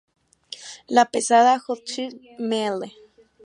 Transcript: La pesada Hotchkiss Mle.